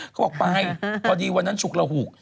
เขาบอกไปพอดีวันนั้นฉุกระหุก